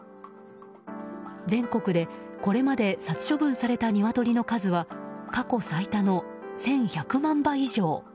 全国でこれまで殺処分されたニワトリの数は過去最多の１１００万羽以上。